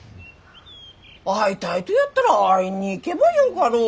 会いたいとやったら会いに行けばよかろう？